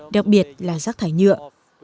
đặc biệt là rác thải nhựa